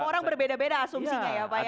orang berbeda beda asumsinya ya pak ya